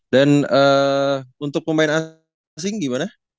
dan untuk pemain asing gimana